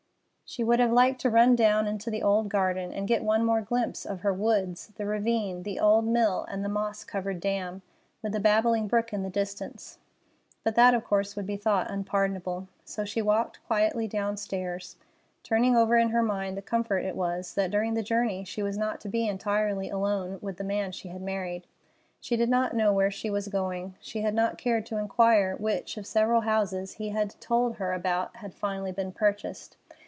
She would have liked to run down into the old garden and get one more glimpse of her woods, the ravine, the old mill, and the moss covered dam, with the babbling brook in the distance, but that of course would be thought unpardonable; so she walked quietly downstairs, turning over in her mind the comfort it was that during the journey she was not to be entirely alone with the man she had married. She did not know where she was going. She had not cared to inquire which of several houses he had told her about had finally been purchased.